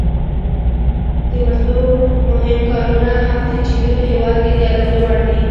د مسو مهم کانونه هم د چیلي په هېواد کې د یادونې وړ دي.